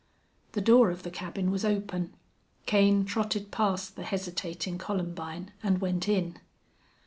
The door of the cabin was open. Kane trotted past the hesitating Columbine and went in.